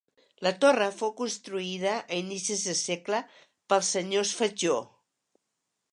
La torre fou construïda a inicis de segle pels senyors Fatjó.